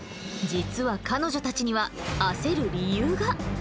実は彼女たちには焦る理由が。